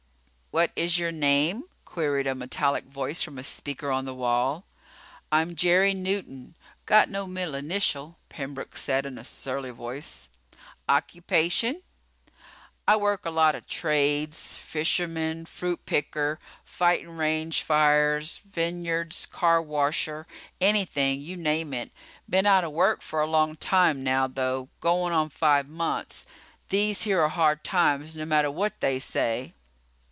"What is your name?" queried a metallic voice from a speaker on the wall. "I'm Jerry Newton. Got no middle initial," Pembroke said in a surly voice. "Occupation?" "I work a lot o' trades. Fisherman, fruit picker, fightin' range fires, vineyards, car washer. Anything. You name it. Been out of work for a long time now, though. Goin' on five months. These here are hard times, no matter what they say."